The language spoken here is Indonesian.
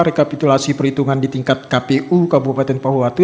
rekapitulasi perhitungan di tingkat kpu kabupaten pamuwatu